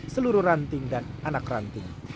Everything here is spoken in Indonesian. seluruh ranting dan anak ranting